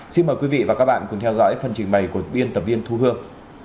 xin mời quý vị và các bạn cùng theo dõi phần trình bày của biên tập viên thu hương